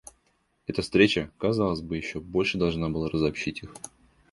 Эта встреча, казалось бы, еще больше должна была разобщить их.